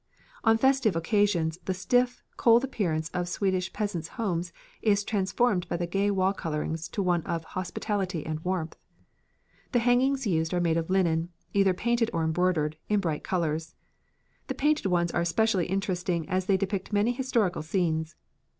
On festive occasions the stiff, cold appearance of Swedish peasants' homes is transformed by the gay wall coverings to one of hospitality and warmth. The hangings used are made of linen, either painted or embroidered in bright colours. The painted ones are especially interesting as they depict many historical scenes.